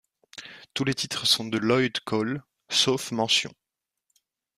Tous les titres sont de Lloyd Cole, sauf mentions.